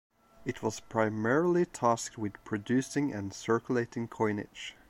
It was primarily tasked with producing and circulating coinage.